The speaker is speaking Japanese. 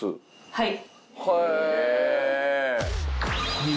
はい。